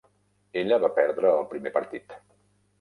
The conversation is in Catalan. Ella va perdre el primer partit.